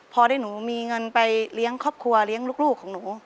พอได้หนูมีเงินไปเลี้ยงครอบครัวเลี้ยงลูกของหนู